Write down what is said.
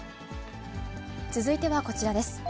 続いてはこちらです。